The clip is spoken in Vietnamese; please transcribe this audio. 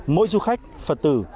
mỗi du khách phật tử